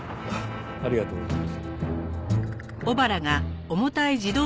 ありがとうございます。